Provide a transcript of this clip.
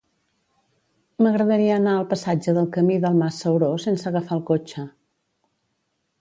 M'agradaria anar al passatge del Camí del Mas Sauró sense agafar el cotxe.